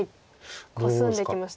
コスんできました。